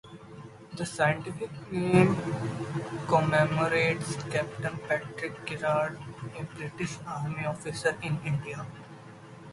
The scientific name commemorates Captain Patrick Gerard, a British army officer in India.